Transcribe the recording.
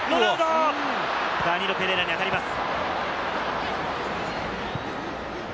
ダニーロ・ペレイラに当たります。